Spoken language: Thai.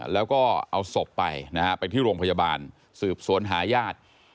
แล้วก็เอาศพไปนะฮะไปที่โรงพยาบาลสืบสวนหาญาติ